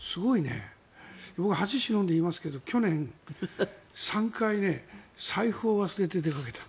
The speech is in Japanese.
僕、恥しのんで言いますが去年、３回財布を忘れて出かけた。